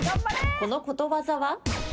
このことわざは？